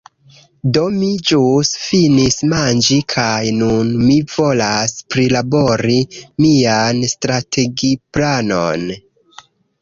Do, mi ĵus finis manĝi kaj nun mi volas prilabori mian strategiplanon